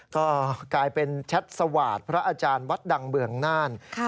ก็กลายเป็นแชทสวาสตร์พระอาจารย์วัดดังเมืองน่าน